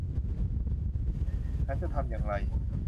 ฉันจะทำอย่างไร